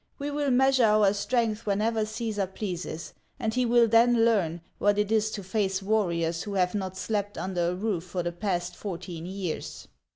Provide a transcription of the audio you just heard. We will measure our strength whenever Caesar pleases, and he will then learn what it is to face warriors who have not slept under a roof for the past fourteen years."